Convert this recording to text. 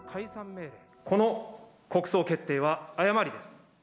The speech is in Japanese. この国葬決定は誤りです。